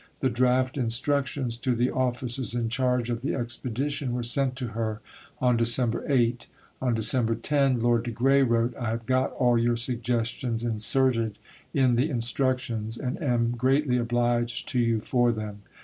The draft instructions to the officers in charge of the expedition were sent to her on December 8. On December 10 Lord de Grey wrote: "I have got all your suggestions inserted in the Instructions, and am greatly obliged to you for them."